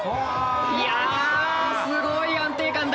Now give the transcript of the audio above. いやすごい安定感だ！